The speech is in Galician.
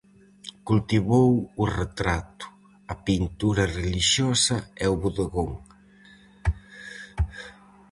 Cultivou o retrato, a pintura relixiosa e o bodegón.